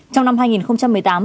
trong năm hai nghìn một mươi tám